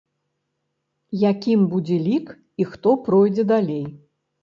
Якім будзе лік і хто пройдзе далей?